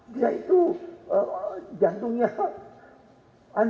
dia itu jantungnya